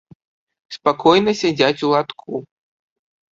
Спакойна сядзяць у латку.